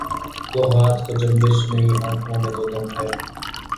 گو ہاتھ کو جنبش نہیں آنکھوں میں تو دم ہے